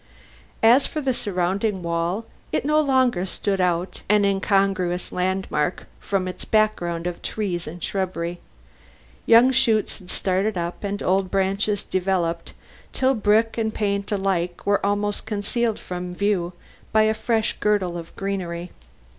As for the surrounding wall, it no longer stood out, an incongruous landmark, from its background of trees and shrubbery. Young shoots had started up and old branches developed till brick and paint alike were almost concealed from view by a fresh girdle of greenery.